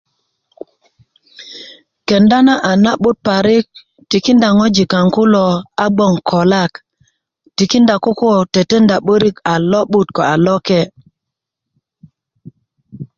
kenda na a na'but parik tikinda ŋoji kaaŋ kulo a gboŋ kolak tikinda koko tetenda 'börik a lo'but ko a loke'